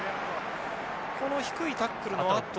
この低いタックルのあと。